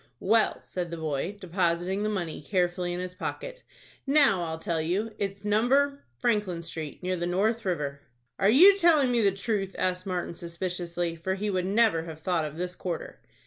"Well," said the boy, depositing the money carefully in his pocket, "now I'll tell you. It's No. — Franklin Street, near the North River." "Are you telling me the truth?" asked Martin, suspiciously, for he would never have thought of this quarter.